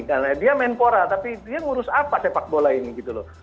karena dia menpora tapi dia ngurus apa sepak bola ini gitu loh